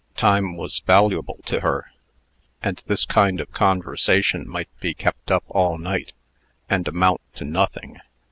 Time was valuable to her, and this kind of conversation might be kept up all night, and amount to nothing.